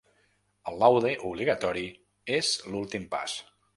El laude obligatori és l’últim pas.